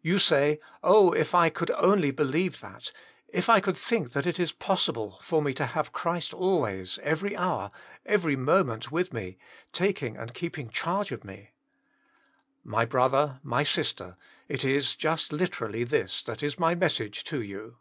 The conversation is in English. You say. Oh! if I could only believe that, if I could think that it is possible to have Christ always, every hour, every mo ment with me, tTaftfno and fteepfno cbarge of me! My brother, my sister, it is just liter ally this that is my message to you.